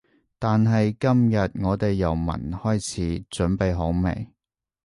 但係今日我哋由聞開始，準備好未？